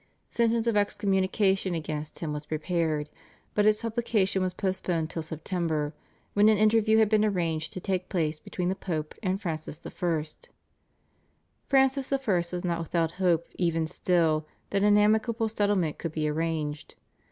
Sentence of excommunication against him was prepared, but its publication was postponed till September, when an interview had been arranged to take place between the Pope and Francis I. Francis I. was not without hope even still that an amicable settlement could be arranged.